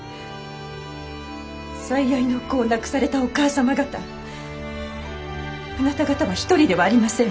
最愛の子を亡くされたお母様方あなた方は独りではありません。